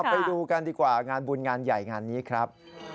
ไปดูกันดีกว่างานบุญงานใหญ่งานนี้ครับ